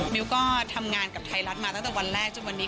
มิวก็ทำงานกับไทยรัฐมาตั้งแต่วันแรกจนวันนี้